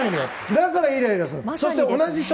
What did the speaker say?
だからイライラする。